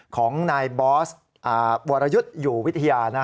ของนายบอสวรยุทธ์อยู่วิทยา